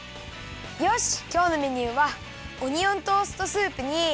きょうのメニューはオニオントーストスープにきまり！